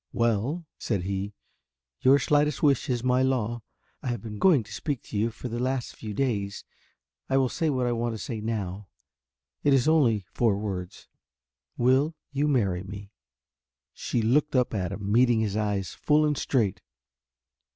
"Well," said he, "your slightest wish is my law. I have been going to speak to you for the last few days. I will say what I want to say now. It is only four words. Will you marry me?" She looked up at him, meeting his eyes full and straight.